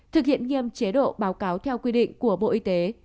thực hiện nghiêm chế độ báo cáo theo quy định của bộ y tế